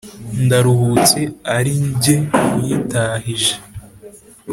Ndaruhutse ari jye uyitahije.